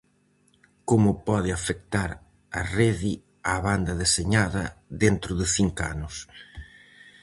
Como pode afectar a rede á banda deseñada dentro de cinco anos?